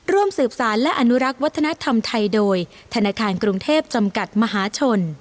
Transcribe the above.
ร่วมสืบสารและอนุรักษ์วัฒนธรรมไทยโดยธนาคารกรุงเทพจำกัดมหาชน